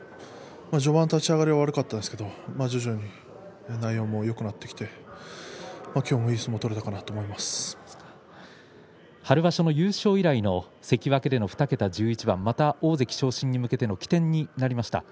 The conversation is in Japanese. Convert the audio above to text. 序盤、立ち上がりは悪かったですけれども徐々に内容もよくなってきて今日もいい相撲を春場所の優勝以来の関脇での２桁１１番また大関昇進に向けての起点になりました。